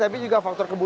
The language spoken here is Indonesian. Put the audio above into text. tapi juga faktor kebunuh